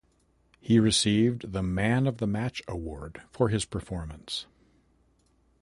He received the man of the match award for his performance.